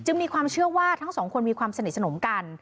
มีความเชื่อว่าทั้งสองคนมีความสนิทสนมกัน